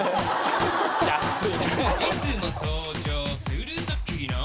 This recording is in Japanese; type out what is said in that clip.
「いつも登場するときの」